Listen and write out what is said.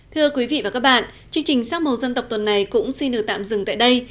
thưa quý vị và các bạn chương trình sắc màu dân tộc tuần này cũng xin được tạm dừng tại đây